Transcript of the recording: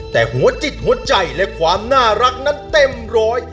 แต่หัวจิตหัวใจและความน่ารักนั้นเต็มร้อย